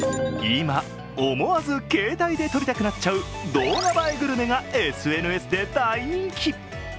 今、思わず携帯で撮りたくなっちゃう動画映えグルメがＳＮＳで大人気。